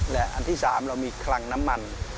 และอันที่๓เรามีคลังน้ำมัน